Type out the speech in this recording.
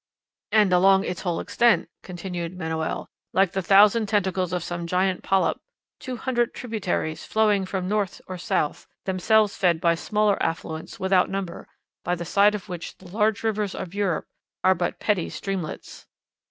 "And along its whole extent," continued Manoel, "like the thousand tentacles of some gigantic polyp, two hundred tributaries, flowing from north or south, themselves fed by smaller affluents without number, by the side of which the large rivers of Europe are but petty streamlets."